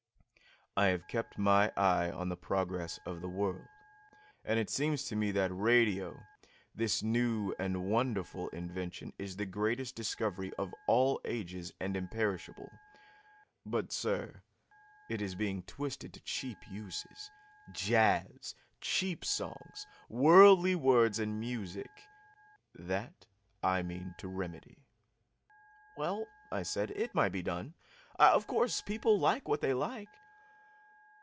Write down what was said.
I have kept my eye on the progress of the world. And it seems to me that radio, this new and wonderful invention, is the greatest discovery of all ages and imperishable. But, sir, it is being twisted to cheap uses. Jazz! Cheap songs! Worldly words and music! That I mean to remedy." "Well," I said, "it might be done. Of course, people like what they like."